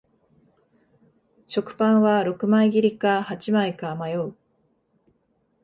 食パンは六枚切りか八枚か迷う